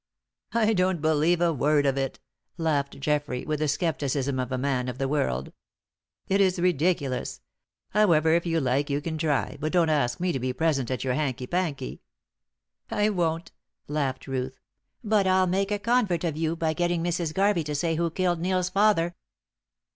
"I don't believe a word of it," laughed Geoffrey, with the scepticism of a man of the world. "It is ridiculous. However, if you like you can try, but don't ask me to be present at your hanky panky." "I won't," laughed Ruth. "But I'll make a convert of convert of you by getting Mrs. Garvey to say who killed Neil's father."